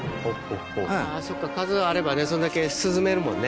あぁそっか数あればねそんだけ涼めるもんね。